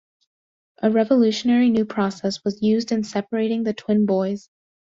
A revolutionary new process was used in separating the twin boys.